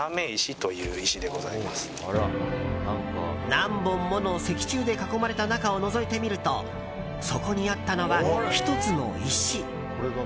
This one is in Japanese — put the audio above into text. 何本もの石柱で囲まれた中をのぞいてみるとそこにあったのは、１つの石。